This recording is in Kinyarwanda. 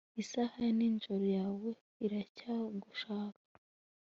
Isaha yijoro yawe iracyagushaka